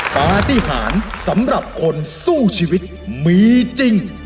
ปฏิหารสำหรับคนสู้ชีวิตมีจริง